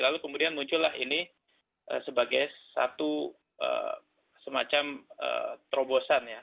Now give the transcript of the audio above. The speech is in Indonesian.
lalu kemudian muncullah ini sebagai satu semacam terobosan ya